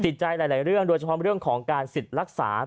ใจหลายเรื่องโดยเฉพาะเรื่องของการสิทธิ์รักษา